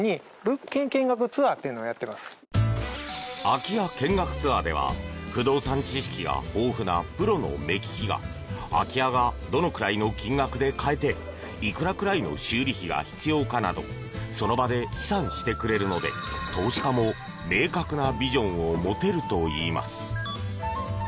空き家見学ツアーでは不動産知識が豊富なプロの目利きが空き家がどのくらいの金額で買えていくらくらいの修理費が必要かなどその場で試算してくれるので投資家も明確なビジョンを持てるといいます。